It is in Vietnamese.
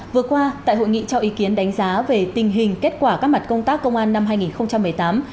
vừa qua tại hội nghị cho ý kiến đánh giá về tình hình kết quả các mặt công tác công an năm hai nghìn một mươi tám